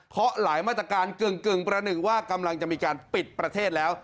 เพราะหลายมาตรการกึ่งประหนึ่งว่ากำลังจะมีการปิดประเทศแล้ว